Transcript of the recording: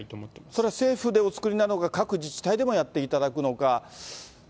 それは政府でお作りになるのか、各自治体でもやっていただくのか。